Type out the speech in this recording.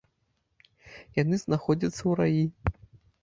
Яны знаходзяцца ў раі.